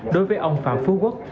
đối với ông phạm phú quốc